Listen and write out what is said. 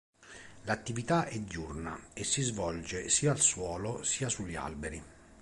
L'attività è diurna e si svolge sia al suolo sia sugli alberi.